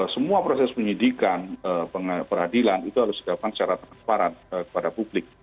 semua proses penyidikan peradilan itu harus dilakukan secara transparan kepada publik